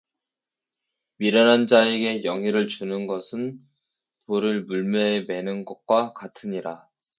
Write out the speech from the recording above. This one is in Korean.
미련한 자에게 영예를 주는 것은 돌을 물매에 매는 것과 같으니라